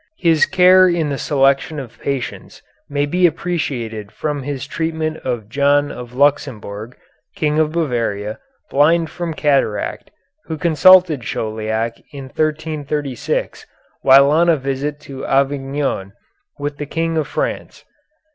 His care in the selection of patients may be appreciated from his treatment of John of Luxembourg, King of Bavaria, blind from cataract, who consulted Chauliac in 1336 while on a visit to Avignon with the King of France.